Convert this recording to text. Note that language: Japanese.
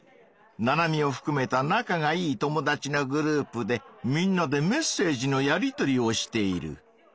ナナミをふくめた仲がいい友達のグループでみんなでメッセージのやり取りをしている。